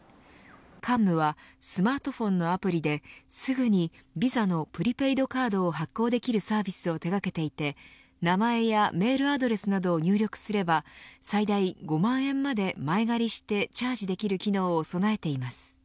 カンムはスマートフォンのアプリですぐにＶＩＳＡのプリペイドカードを発行できるサービスを手掛けていて、名前やメールアドレスなどを入力すれば最大５万円まで前借りしてチャージできる機能を備えています。